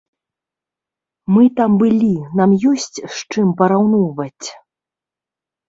Мы там былі, нам ёсць з чым параўноўваць.